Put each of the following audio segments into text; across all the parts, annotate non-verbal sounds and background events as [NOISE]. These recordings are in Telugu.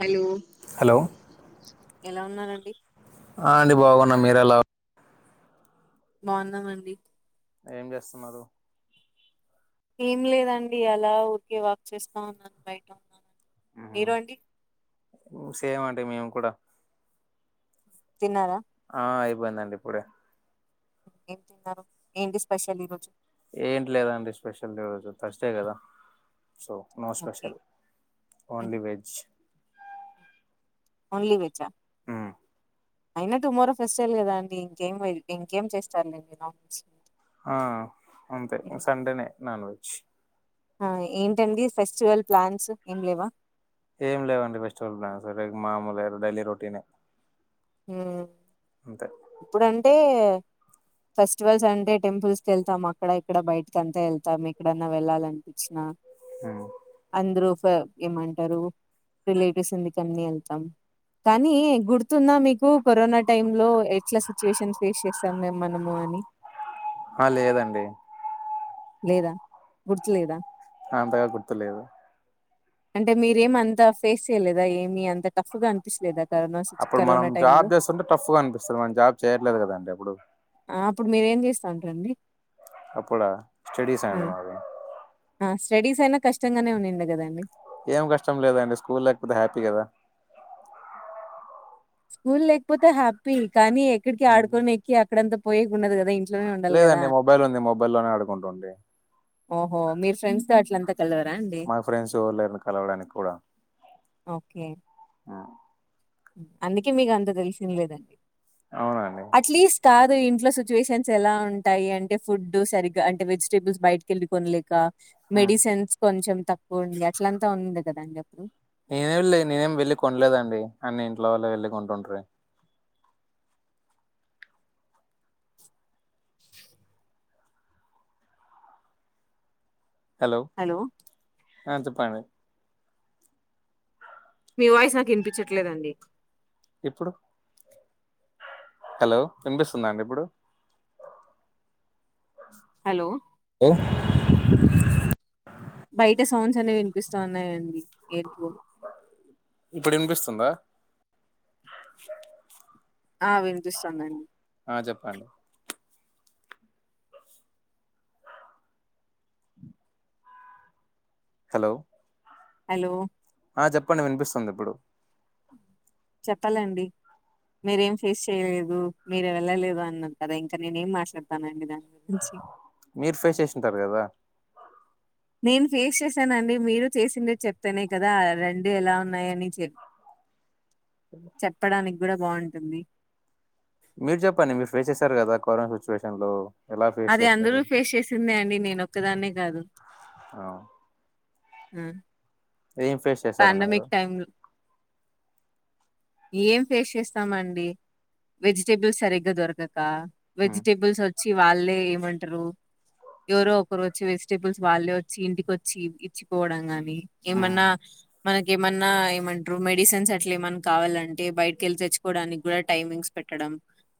హలో హలో ఎలా ఉన్నారండి ఆ అండి బాగున్న మీర ఎలా బాగున్నామండి ఏం చేస్తున్నారు ఏం లేదండి అలా ఊరికే వాక్ చేస్తా ఉన్నాను బయట ఉన్నాను హీరో అండి అంటే మేము కూడా తిన్నారా ఆ ఇయిబందండి ఇప్పుడే ఏం తిన్నారు ఏంటి స్పెషల్ ఈ రోజు ఏంటి లేదండి స్పెషల్ రోజు తచ్చా కదా so no okay special only veg only veg ఆ మ్మ్. అయినా టుమోరో ఫెస్ట్ అవ్యి కదా అండి ఇంకేం ఇంకేం చేస్తారుండి ఆ అంతే సండేనే నాన్ వెజ్ ఏంటండి ఫెస్టివల్ ప్లాన్స్ ఏం లేవా ఏం లేవండి ఫెస్టివల్ ప్లాన్ సరే మామూలు డైలీ రొటీనే హ అంతే ఇప్పుడంటే ఫెస్టివల్స్ అంటే టెంపుల్స్ క వెళ్తాం అక్కడ ఇక్కడ బయటకి అంతా వెళ్తాం ఎక్కడన్నా వెళ్ళాలనిపించినా. మ్మ్. అందరూ ఏమంటారు రిలేటివ్స్ ఎందుక వెళ్తాం కానీ గుర్తున్నా మీకు కరోనా టైంలో ఎట్లా సిచ్యువేషన్ ఫేస్ చేస్తాం మే మనము అని ఆ లేదండి లేదా గుర్తు లేదా అంతగా గుర్తులేదు అంటే మీరేమ అంత ఫేస్ చెయలేదా ఏమి అంత టఫ్ గా అనిపించలేదా కరోనా సిచ్ అప్పుడు మనం కరోనా టైమ్ లో జాబ్ చేస్తుంటే టఫ్ గా అనిపిస్తుంది మన జాబ్ చేయట్లేదు కదండి ఇప్పుడు ఆ అప్పుడు మీరేం చేస్తా ఉంటారండి అప్పుడా స్టడీస్ ఆ అయినవి మావి ఆ స్టడీస్ అయినా కష్టంగానే ఉన్నాండంది కదండి. ఏం కష్టం లేదండి స్కూల్ లేకపోతే హ్యాపీ కదా. స్కూల్ లేకపోతే హ్యాపీ కానీ ఇక్కకి ఆడకోనక్కి. ఎక్కడ అంత పోనీకి ఉండదు కదా ఇంట్లోనే ఉండాలి కదా లేదండి మొబైల్ ఉంది మొబైల్ లోనే ఆడుకుంటుండి. ఓహో మీ ఫ్రెండ్స్ త అట్లంతా. కలవరా అండి మా ఫ్రెండ్స్ ఎవరు లేరు కలవడానికి కూడా. ఓకే అందుకే మీకు అంత తెలిసింది లేదండి అవునండి అట్లీస్ట్ ఇంట్లో సిచ్యువేషన్స్ ఎలా ఉంటాయి అంటే ఫుడ్ సరిగగా అంటే వెజిటేబుల్స్ బయటకిళ్ళి కొనలేక. మెడిసిన్స్ కొంచెం తక్కువ ఉంది అట్లంతా ఉంది కదండి అప్పుడు. నేనేమిళ్ళ నేనేమి వెళ్లి కొనలేదండి అన్ని ఇంట్లో వాల్ల వెళ్ళి కొంటుంట్రి. హలో ఆ చెప్పండి మీ వాయిస్ నాకు వినిపించట్లేదండి. ఇప్పుడు హలో వినిపిస్తుందా అండి ఇప్పుడు. హలో ఓ బయట సౌండ్స్ అనేవి వినిపిస్తా ఉన్నాయండి ఎంతో ఇప్పుడు వినిపిస్తుందా ఆ వినిపిస్తానండి హ చెప్పండి హలో హలో ఆ చెప్పండి వినిపిస్తుంది ఇప్పుడు చెప్పాలండి మీరేం ఫేస్ చేయలేదు మీరే వెళ్ళలేదు అన్నరూ కదా ఇంకా నేను ఏం మాట్లాడతాన అండి దాన్ని మీర్ ఫేస్ చేసింటారు కదా నేను ఫేస్ చేశాన అండి మీరు చేసిందే చెప్తానే కదా రెండు ఎలా ఉన్నాయని చే చెప్పడానికి కూడా బాగుంటుంది మీరు చెప్పండి మీరు ఫేస్ చేసారు కదా కరోనా సిచ్యువేషన్ లో ఎలా ఫేస్ అది అందరూ చేశారు ఫేస్ చేసిందే అండి నేన ఒక్కదాన్నే కాదు. ఆ ఉ ఏం ఫేస్ చేశారండి మీరు ఏం ఫేస్ చేస్తామండి వెజిటేబుల్స్ సరిగ్గా దొరకదు హ్మ్ వెజిటేబల్స్ వచ్చి వాళ్ళే ఏమంటారు ఎవరో ఒకరు వచ్చి వెజిటేబుల్స్ వాళ్ళే వచ్చి ఇంటికి వచ్చి ఇచ్చిపోవడం గాని హ్మ్ ఏమన్నా మనక ఏమన్నా ఏమంటారు మెడిసిన్స్ అట్లే ఏమ కావాలంటే బయటకి వెళ్ళి తెచ్చుకోవడానికి కూడా టైమింగ్స్ పెట్టడం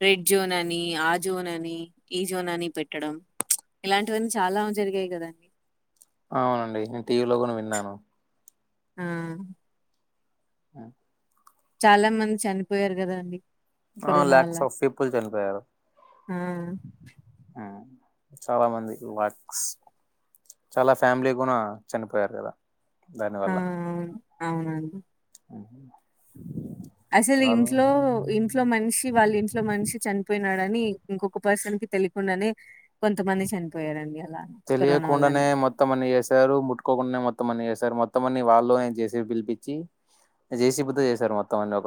రెడ్ జోన్ అని ఆ జోన్ అని ఈ జోన్ అని పెట్టడం ఇలాంటివన్నీ చాలా జరిగాయి కద అవునండి నేను టీవీ లో కూడా విన్నాను ఆ ఉ చాలా మంది చనిపోయారు కదా అండి ఆ లేక్స్ అఫ్ పీపుల్ చనిపోయారు ఆ! చాలా మంది లాక్స్ చాలా ఫ్యామిలీ కూడా చనిపోయారు కదా ఆ! దానివల్ల అవును. అవునండి [UNINTELLIGIBLE] అసలు చాలా ఇంట్లో ఇంట్లో మనిషి వాళ్ళ ఇంట్లో మనిషి చనిపోయి నడని ఇంకొక పర్సన్ కి తెలియకుండానే కొంతమంది చనిపోయారండి అలా కరోనా తెలియకుండానే వల్లనే. మొత్తం అన్ని చేసారు ముట్టుకోకుండానే మొత్తం అని చేసారు మొత్తం అన్ని వాలే జె సి బి పిలిపించి జెసీబితో చేసారు మొత్తం అని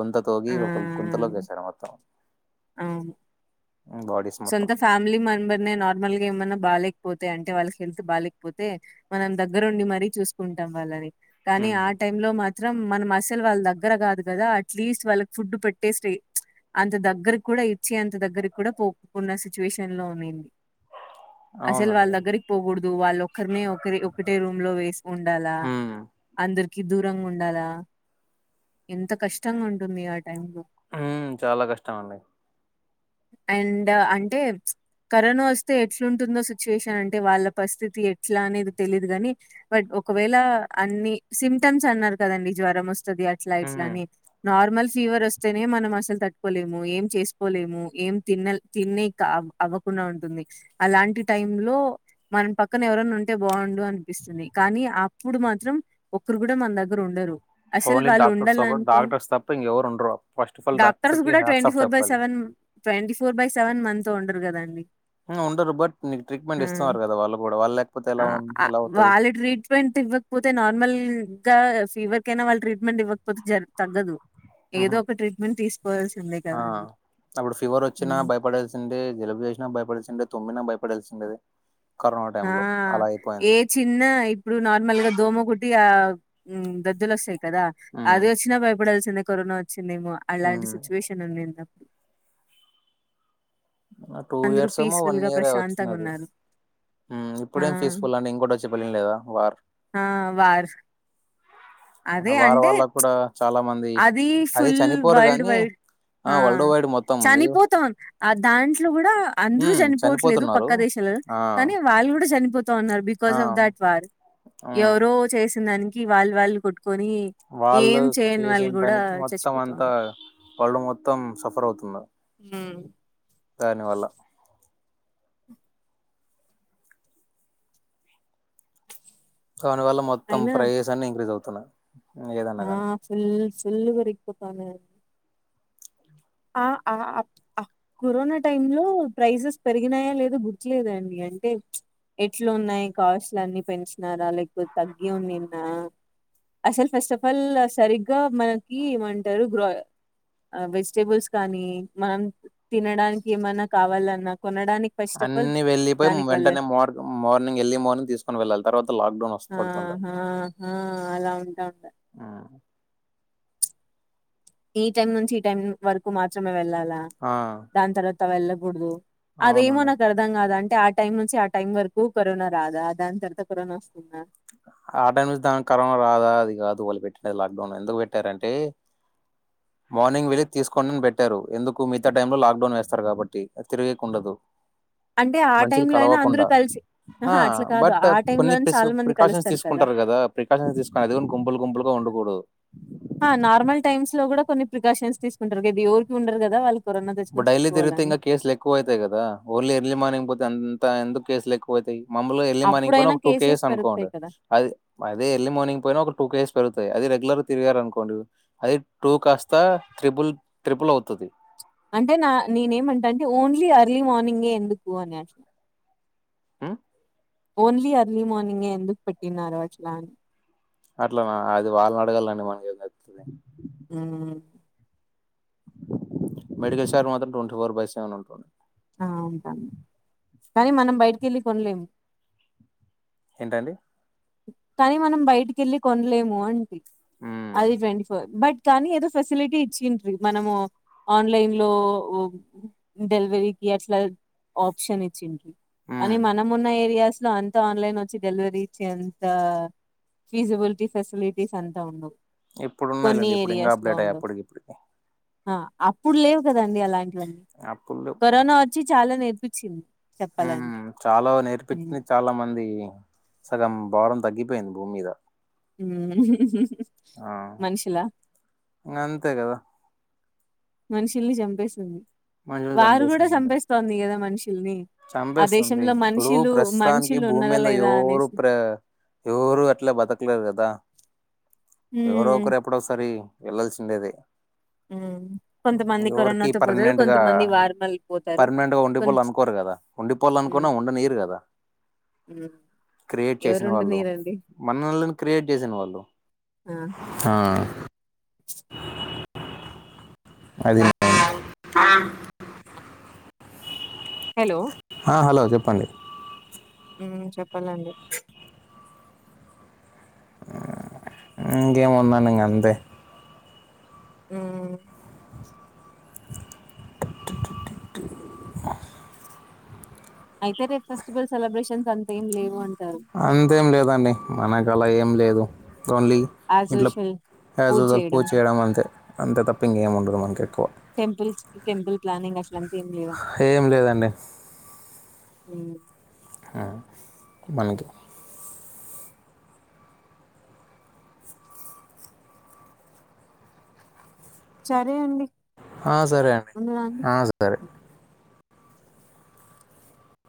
గుంత ఆ! తోవి ఒక గుంతలోకి వేశారు మొత్తం అవును బాడీస్ సొంత మొత్తం ఫ్యామిలీ మంబర్నే నార్మల్ గా ఏమనా బాలే కపోతే అంటే వాళ్ళకి హెల్త్ బాలేకపోతే మనం దగ్గరుండి మరీ చూసుకుంటాం వాళ్ళని కానీ ఉమ్. ఆ టైమ్ లో మా మాత్రం మనం అసలు వాళ్ళ దగ్గర కాదు కదా అట్లీస్ట్ వాళ్ళకి ఫుడ్ పెట్టేసి అంత దగ్గరకి కూడా ఇచ్చి అంత దగ్గరకి కూడా పో ఉన్న సిచ్యువేషన్ లో ఉనింది అసలు వాళ్ళ అవునండి దగ్గరికి పోకూడదు వాళ్ళ ఒకక్కరినే ఒకరి ఒకటే రూమ్ లో వేసి ఉండాలా ఉమ్. అందరు కి దూరంగా ఉండాలా ఎంత కష్టంగా ఉంటుంది ఆ టైమ్ లో ఉమ్, చాలా కష్టం అండి అండ్ అంటే కరోనా వస్తే ఎట్లుంటుందో సిచ్యువేషన్ అంటే వాళ్ళ పరిస్థితి ఎట్లా అనేది తెలీదు కాని బట్ ఒకవేళ అన్ని సిమ్టమ్స్ అన్నారు కదండి జ్వరం వ వస్తుంది అట్లా ఉమ్. ఇట్లానే నార్మల్ ఫీవర్ వస్తేనే మనం అసలు తట్టుకోలేము ఏం చేసుకోలేము ఏం తిన్న తిన్నే అవ్వకుండా ఉంటుంది అలాంటి టైమ్ లో మనం పక్కన ఎవరన్నా ఉంటే బాగుండు అనిపిస్తుంది కానీ అప్పుడు మాత్రం ఒకరు కూడా మన దగ్గర ఉండరు అసలు ఓన్లీ వాళ్ళు డాక్టర్స్ ఒక ఉండాలనుకున్న డాక్టర్స్ తప్ప ఇంకెవరు ఉండరు ఫస్ట్ ఆఫ్ ఆల్ డాక్టర్స్ కూడా డాక్టర్ ట్వంటీ హస్ఫ ఫోర్ బై చెప్పాలి seven twenty four by seven month త ఉండరు కదండి ఆ ఉండరు బట్ నీకు ఆ ట్రీట్మెంట్ ఇస్తున్నారు కదా వాళ్ళు కూడా వాళ్ళు లేకపోతే ఆ ఎలా ఆ, ఎలా అవుతదీ వాళ్ళ ఇంకా ఫీవర్ కైనా వాళ్ళ ట్రట్మెంట్ ఇవ్వకపోతే జర తగ్గదు ఏదో ఉహు ఒక ట్రీట్మెంట్ తీసు ఆ అప్పుడు ఫీవర్ వచ్చినా భయపడేల్ జలాబ్ చేసిన భయపడాల్సిందే తుమ్మిన భయపడల్సిండే ఆ ఏ చిన్న ఇప్పుడు నార్మల్గా దోమ కుటి ఆ ఉ దద్దులోస్తాయి కదా ఉమ్ అది వచ్చినా భయపడల్ కరోనా వచిందమో అలాంటి ఉమ్ సిచ్యువేషన్ ఉందిందు టూ అందరూ ఇయర్స్ ఏమో పీస్ఫుల్ వన్ గా ఇయర్ ప్రశాంతంగా వచ్చిందది ఉన్నారు ఆ ఇప్పుడేం పీస్ఫుల్ అండి ఇంకోటి వచ్చే పళ్లిం లేదా వారు ఆ వార్ అదే వార్ అంటే వాళ్ళ కూడా చాలా మంది అది ఫుల్ చనిపోరు వరల్డ్ గాని వైడ్ ఆ వరల్డ్ వైడ్ మొత్తం ఉంది చనిపోతా దాంట్లో కూడా అందరూ హ్మ్. చనిపోవట్లేదు చనిపోతున్నారు. పక్క దేశాల ఆ! కానీ వాళ్ళు కూడా చనిపోతా ఉన్నారు ఆ! బికాస్ ఆఫ్ దట్ వార్ హ్మ్. ఎవరో చే దానికి వాళ్ళ వాళ్ళు కొట్ కొని వాళ్ళు ఏం చేయండి చేసిన పనికి మొత్తం అంతా వరల్డ్ మొత్తం సఫర్ అవుతుంది హ్మ్ దాని వల్ల దానివల్ల మొత్తం అయినా ప్రైస్ అన్ని ఇంక్రీస్ అవుతంది తున్నా ఆ ఫుల్ ఫుల్ పెరిగిపోతానాయి ఆన్ కరోనా టైమ్ లో ప్రైసెస్ పెరిగినాయా లేదో గుర్తులేదండి అంటే ఎట్లు ఉన్నాయి కాస్ట్లు అన్ని పెంచినారా లేకు తగ్గి ఉ నిన్న అసలు ఫస్ట్ ఆఫ్ ఆల్ సరిగ్గా మనకి ఏమంటారు ఆ గ్రో వెజ్ బుల్స్ కానీ మనం తినడానికి ఏమన్నా కావాలన్నా కొనడానికి ఫస్ట్ ఆఫ్ ఆల్ అన్ని వెళ్లిపోయి దానికి వల్లే వెంటనే మార్ మార్నింగ్ వెళ్ళి మార్నింగ్ తీసుకొని వెళ్ళాలి తర్వాత లాక్డౌన్ ఆ వష్టపడుతుండ ఆ ఆ అలా ఉంటా ఉండ ఈ టైమ్ నుంచి ఈ టైం వరకు మాత్రమే వెళ్ళాల్ లా ఆ! దాని త తవ ఎలా కుడదు అదేమో అవునండి. నాకు అర్దం గాదు అంట అంటే ఆ టైం నుంచి ఆ టైం వరకు కరోనా రాదా దాని తర్వాత కరోనా వస్తుందా ఆ టైం ను దానికి కరోనా రాదా అది కాదు వాళ్ళు పెట్టిన లాక్డౌన్ ఎందుకు పెట్టారంటే మార్నింగ్ వెళ్ళి తీసుకోనిడిని పెట్టారు ఎందుకు మిగతా టై లో లాక్డౌన్ వేస్తారు కాబట్టి తిరగకు ఉండదు అంటే ఆ టైమ్ లో అయినా అందరు కలిసి ఆ ఆఆ అట్లా కాదు బట్ ఆ టైం లో కొన్ని చాలా మంది ప్రికాషన్స్ తీసుకుంటారు కదా ప్రికాషన్ తీసుకుని అదిగని గుంపులు గుంపులుగా ఉండకూడదు నార్మల్ టైమ్స్ లో కూడా కొన్ని ప్రికాషన్స్ తీసుకుంటారు కదది ఎవరికి ఉండరు కదా వాళ్ళకి బట్ డైలీ తిరిగితే ఇంగా కేస్లు ఎక్కువ్ అయితై కదా ఓన్లీ ఎర్లీ మార్నింగ్ పొతే అన్ తా ఎందుక్ కేసులు ఎక్కువ్ అయితై మమ్ముల్లే ఎర్లీ మార్నింగ్ పోయిన అప్పుడైనా ఒక టూ కేసెస్ కేస్ పెరుగుతాయి అనుకోండి కదా అది అదే ఎర్లీ మార్నింగ్ పోయినా ఒక టూ కేస్ పెరుగ్తై అది రెగ్యులర్గ్ తిరిగారు అనుకోండి అది టూ కాస్త త్రిబుల్ త్రిపుల్ అవుతది అంటే నా నీన్ ఏమంట అంటే ఓన్లీ అర్లీ మార్నింగే ఎందుకు అని అట్ల్ ఆ ఓన్లీ అర్ర్లీ మార్నింగే ఎందుక్ పెట్టినారు అట్ల అని అట్లనా అది వాళ్న్ అడగల్లా అండి మనకు ఏమ్ తెలుస్తుందండి ఊ మెడికల్ స్టార్ మాత్రం టొన్టీ ఫోర్ బై సెవెన్ ఉంటుంది ఆ ఉంటాను కనీ మనం బైటికి ఎళ్ళి కొన్లేము ఏంటండి కానీ మనం బైటికి ఎళ్ళి కొన్లేము అంటి ఉం. అది టెవ్న్టి ఫోర్ బట్ కానీ ఏదో ఫెసిలిటీ ఇచ్చిండ్రి మనము ఆన్లైన్ లో ఓ డెల్వెరీకి అట్ల ఆప్షన్ ఇచ్చిండ్రి ఉం. అని మన మొన్న ఏరియాస్ ట్ల అంత ఆన్లైన్ వొచ్చి డెల్వరీ చెన్ తా ఫీజిబుల్టీ ఫెసిలిటిస్ అంతా ఉండవ్ ఇప్పుడు ఉన్నయి లెండి ఇప్పుడు ఇంగా అబ్డేట్ అయి అప్పుడికి ఇప్పుడికి ఆ అప్పుడ్ లేవు కదా అండి అలాంట్ అప్పుడు కరోనా వచ్చి చాలా నేర్పిచింది ఊ హు చాలో నేర్పిచ్న్ది చాలా మంది సగం భారం తగ్గిపేంది భూమ్ మీద ఉమ్ ఆ ఇంగ అంతే కదా మనుషుల్ని చంపేస్తుంది వార్ గుడా చంపెస్తోంది కదా మన్ష్ చంపెస్తుంది ఇప్పుడు ప్రస్తుతానికి మనుషులు భూమ్ ఉన్నరా మింద లేదా ఎవ్వరు అనేసి. ప్ర ఎవ్రు అట్ల బతక్లేరు కదా ఎవరో హ్మ్. ఒకరు ఎప్పుడొసరీ వెళ్లల్సిండేదే ఊ కొంతమంది కరోనాతో పోతారు పర్మనెంట్‌గా, కొంతమంది వార్మల్ పోతారు కొంత్ ఉండిపోళ్ళ అనుకున్నా ఉండనీరు కదా హ్మ్. క్రియేట్ చేసిన వాళ్ళు ఎవరుండనీయరండి. మన్నోళ్లని క్రియేట్ చేసిన వాళ్ళు ఆ! హా అదీ హెలో అ హలో చెప్పండి ఊ చప్పల్ అండి ఇంకేం ఉందని ఇంక అంతే ఉమ్ టు టూ టు ఆ అయితే రేప్ ఫెస్టివల్ సెలబ్రేషన్స్ అంత ఏం లేవు అం అంతేం లేదండి మనకు అలా ఏం లేదు ఓన్లీ యాజ్ ఇంట్లో యూజువల్ యాజ్ పూజ యూజువాల్ చేయడం. పూజచేయడం అంతే అంతే తప్ప ఇంగేం ఉండదు మనకి హ్మ్. ఎక్కువ టెంపుల్స్‌కి టెంపుల్ ప్లానింగ్ అట్లంతా ఏం లేదండి ఉమ్ ఆ మనకి సరే అండి ఆ సరే అండి ఉండనా అండి? ఆ హ్మ్. సరే